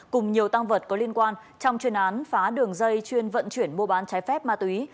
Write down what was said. cùng nhiều tăng vật có liên quan trong chuyên án phá đường dây chuyên vận chuyển mua bán trái phép ma túy